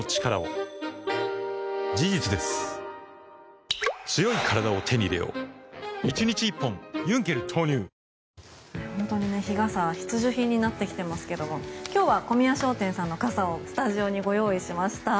「ディアナチュラ」日傘が必需品になってきてますけど今日は小宮商店さんの傘をスタジオにご用意しました。